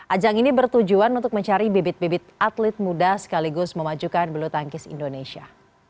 ajang ini bertujuan untuk mencari bibit bibit atlet muda sekaligus memajukan belutangkis indonesia